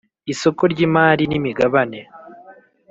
isoko ry’ imari n’ imigabane